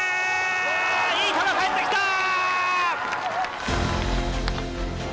いい球返ってきたー！